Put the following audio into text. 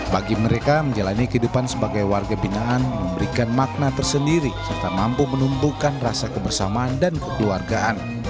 bagi mereka menjalani kehidupan sebagai warga binaan memberikan makna tersendiri serta mampu menumbuhkan rasa kebersamaan dan kekeluargaan